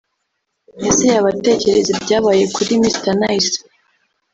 (Ese yaba atekereza ibyabaye kuri Mister Nice